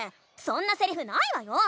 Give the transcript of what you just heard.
そんなセリフないわよ！